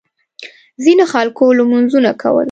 ځینو خلکو لمونځونه کول.